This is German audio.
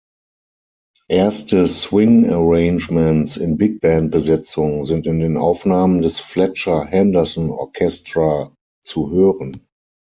Erste Swing-Arrangements in Big-Band-Besetzung sind in den Aufnahmen des Fletcher Henderson Orchestra zu hören.